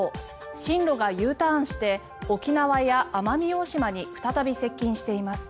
進路がＵターンして沖縄や奄美大島に再び接近しています。